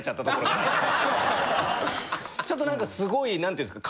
ちょっとなんかすごいなんて言うんですか。